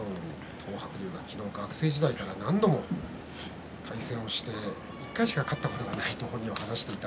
東白龍が昨日、学生時代から何度も対戦をして１回しか勝ったことがないと本人が話していた。